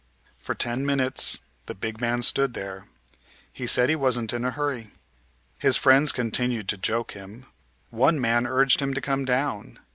For ten minutes the big man stood there. He said he wasn't in a hurry. His friends continued to joke him. One man urged him to come down.